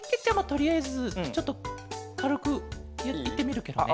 とりあえずちょっとかるくいってみるケロね。